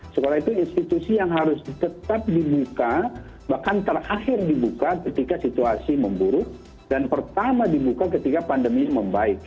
sekolah itu institusi yang harus tetap dibuka bahkan terakhir dibuka ketika situasi memburuk dan pertama dibuka ketika pandemi membaik